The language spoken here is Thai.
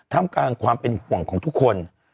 ทำกลางความเป็นห่วงของทุกคน